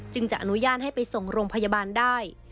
จะอนุญาตให้ไปส่งโรงพยาบาลได้